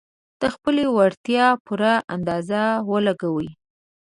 د خپلې وړتيا پوره اندازه ولګوي.